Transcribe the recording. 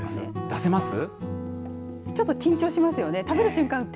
出せます。